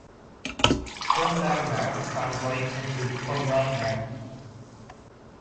"Come now now" translates into "Come right now.